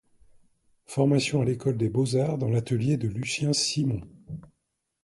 Formation à l'École des beaux-arts dans l'atelier de Lucien Simon.